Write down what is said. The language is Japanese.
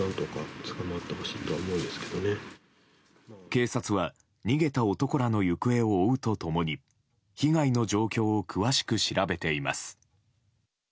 警察は逃げた男らの行方を追うと共に被害の状況を詳しく調べています。